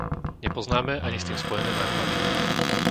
Nepoznáme ani s tým spojené náklady.